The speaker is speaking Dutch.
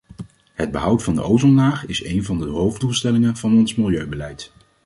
Het behoud van de ozonlaag is een van de hoofddoelstellingen van ons milieubeleid.